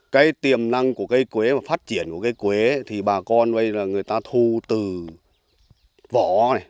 cái tiềm năng của cây quế và phát triển của cây quế thì bà con bây giờ người ta thu từ vỏ này